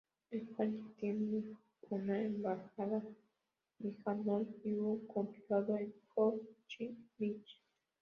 España tiene una embajada en Hanoi y un consulado en Ho Chi Minh.